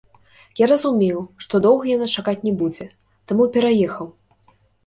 Я разумеў, што доўга яна чакаць не будзе, таму пераехаў.